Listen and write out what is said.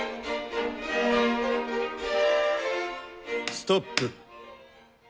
ストップ。